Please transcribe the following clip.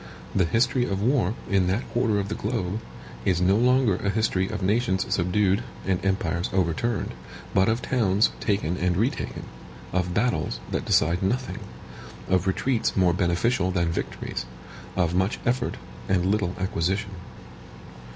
The history of war, in that quarter of the globe, is no longer a history of nations subdued and empires overturned, but of towns taken and retaken; of battles that decide nothing; of retreats more beneficial than victories; of much effort and little acquisition.